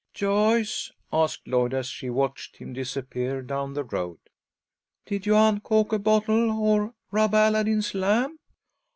"Joyce," asked Lloyd, as she watched him disappear down the road, "did you uncawk a bottle, or rub Aladdin's lamp?